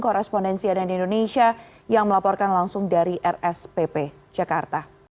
korrespondensi adan indonesia yang melaporkan langsung dari rspp jakarta